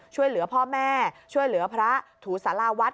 ช่วยเหลือพ่อแม่ช่วยเหลือพระถูสาราวัด